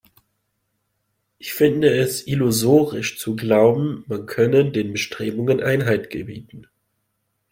Ich finde es illusorisch zu glauben, man könne den Bestrebungen Einhalt gebieten.